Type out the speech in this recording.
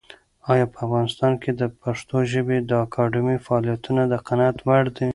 ایا په افغانستان کې د پښتو ژبې د اکاډمۍ فعالیتونه د قناعت وړ دي؟